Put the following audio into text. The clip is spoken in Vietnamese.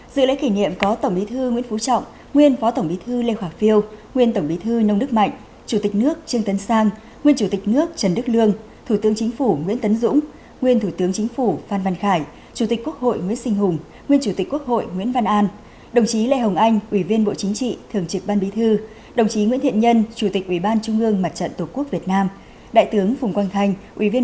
dự lễ kỷ niệm có tổng bí thư nguyễn phú trọng nguyên phó tổng bí thư lê khoa phiêu nguyên tổng bí thư nông đức mạnh chủ tịch nước trương tấn sang nguyên chủ tịch nước trần đức lương thủ tướng chính phủ nguyễn tấn dũng nguyên thủ tướng chính phủ phan văn khải chủ tịch quốc hội nguyễn sinh hùng nguyên chủ tịch quốc hội nguyễn văn an đồng chí lê hồng anh ủy viên bộ chính trị thường trực ban bí thư đồng chí nguyễn thiện nhân chủ tịch ủy ban trung ương mặt tr